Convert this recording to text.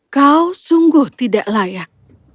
kau sungguh tidak layak